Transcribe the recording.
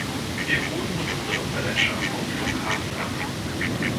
Wir holten unseren Manager vom Flughafen ab.